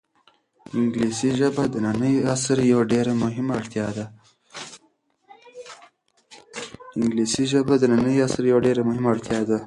انګلیسي ژبه د ننني عصر یوه ډېره مهمه اړتیا ده.